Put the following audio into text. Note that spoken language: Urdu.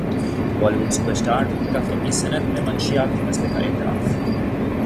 بولی وڈ سپر اسٹار کا فلمی صنعت میں منشیات کے مسئلے کا اعتراف